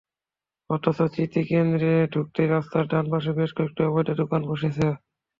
অথচ স্মৃতিকেন্দ্রে ঢুকতেই রাস্তার ডান পাশে বেশ কয়েকটি অবৈধ দোকান বসেছে।